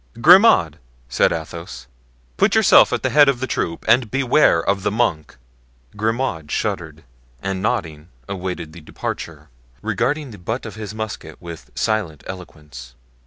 "Grimaud," said Athos, "put yourself at the head of the troop and beware of the monk." Grimaud shuddered, and nodding, awaited the departure, regarding the butt of his musket with silent eloquence.